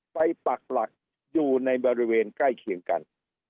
ปักหลักอยู่ในบริเวณใกล้เคียงกัน